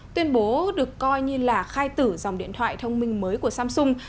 tuyên bố được coi như là khai tử dòng điện thoại thông minh mới của samsung